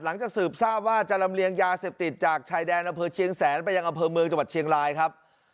หลังจากสืบทราบว่าจะลำเลียงยาเสพติดจากชายแดนอำเภอเชียงแสนไปยังอำเภอเมืองจังหวัดเชียงรายครับ